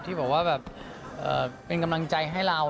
ที่บอกว่าแบบเป็นกำลังใจให้เรา